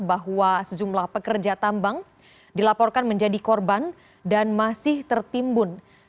bahwa sejumlah pekerja tambang dilaporkan menjadi korban dan masih tertimbun